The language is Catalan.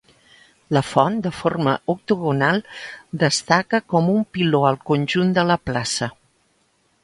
La font, de forma octogonal, destaca com un piló al conjunt de la Plaça.